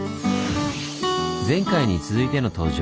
前回に続いての登場